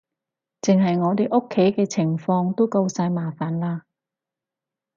淨係我哋屋企嘅情況都夠晒麻煩喇